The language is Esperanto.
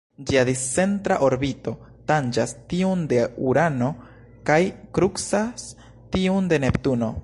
Ĝia discentra orbito tanĝas tiun de Urano kaj krucas tiun de Neptuno.